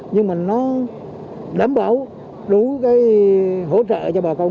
nhưng mà nó đảm bảo đủ cái hỗ trợ cho bà con